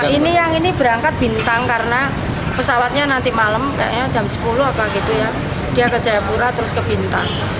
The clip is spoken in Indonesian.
ini yang ini berangkat bintang karena pesawatnya nanti malam kayaknya jam sepuluh apa gitu ya dia ke jayapura terus ke bintang